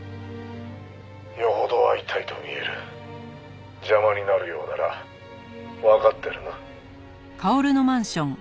「よほど会いたいと見える」「邪魔になるようならわかってるな？」